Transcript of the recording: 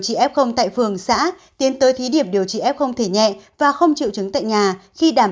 chị f tại phường xã tiến tới thí điểm điều trị f không thể nhẹ và không triệu chứng tại nhà khi đảm